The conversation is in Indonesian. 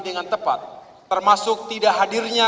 dengan tepat termasuk tidak hadirnya